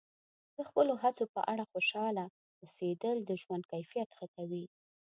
د خپلو هڅو په اړه خوشحاله اوسیدل د ژوند کیفیت ښه کوي.